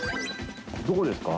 どこですか？